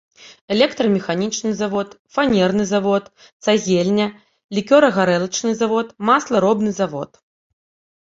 Электрамеханічны завод, фанерны завод, цагельня, лікёрагарэлачны завод, масларобны завод.